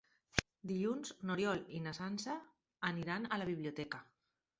Dilluns n'Oriol i na Sança aniran a la biblioteca.